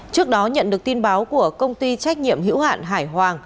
trước đó nhận được tin báo của công ty trách nhiệm hữu hạn hải hoàng